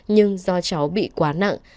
nhưng do cháu bị quá nặng